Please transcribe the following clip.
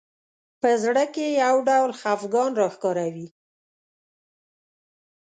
په زړه کې یو ډول خفګان راښکاره وي